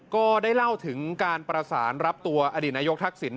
ก็ได้เล่าถึงการประสานรับตัวอดีตนายกทักษิณ